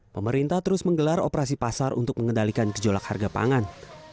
pemerintah terus menggelar operasi pasar untuk mengendalikan gejolak harga pangan